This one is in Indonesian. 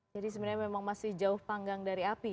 jadi sebenarnya memang masih jauh panggang dari api ya